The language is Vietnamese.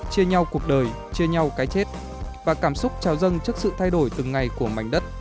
chia nhau cuộc đời chia nhau cái chết và cảm xúc trào dâng trước sự thay đổi từng ngày của mảnh đất